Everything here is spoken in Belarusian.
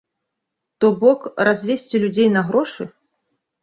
То бок, развесці людзей на грошы?